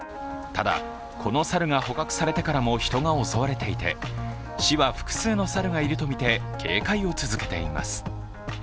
ただ、この猿が捕獲されてからも人が襲われていて市は複数の猿がいるとみて警戒を続けています。